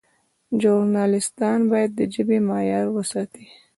ژورنالیستان باید د ژبې معیار وساتي.